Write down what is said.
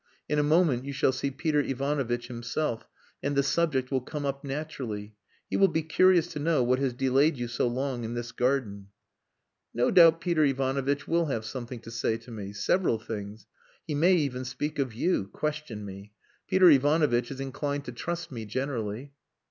In a moment you shall see Peter Ivanovitch himself, and the subject will come up naturally. He will be curious to know what has delayed you so long in this garden." "No doubt Peter Ivanovitch will have something to say to me. Several things. He may even speak of you question me. Peter Ivanovitch is inclined to trust me generally."